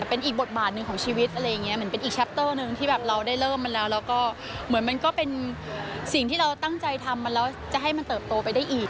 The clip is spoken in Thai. เป็นอีกบทบาทหนึ่งของชีวิตอะไรอย่างนี้เหมือนเป็นอีกแปปเตอร์หนึ่งที่แบบเราได้เริ่มมาแล้วแล้วก็เหมือนมันก็เป็นสิ่งที่เราตั้งใจทำมาแล้วจะให้มันเติบโตไปได้อีก